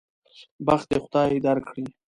بخت دې خدای درکړي.